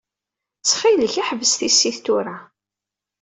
Ttxil-k, ḥbes tissit tura.